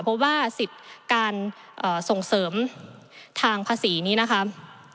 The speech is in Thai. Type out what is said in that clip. เพราะว่าสิทธิ์การส่งเสริมทางภาษีนี้นะคะ